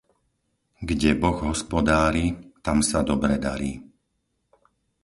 Kde Boh hospodári, tam sa dobre darí.